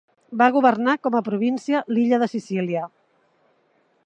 Va governar com a província l'illa de Sicília.